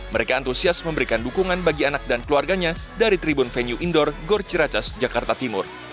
mereka antusias memberikan dukungan bagi anak dan keluarganya dari tribun venue indoor gorci racas jakarta timur